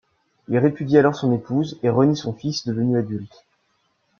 Il répudie alors son épouse et renie son fils devenu adulte.